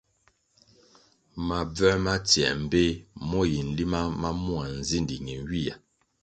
Mabvē ma tsiē mbpeh mo yi nlima ma mua nzindi nenywihya.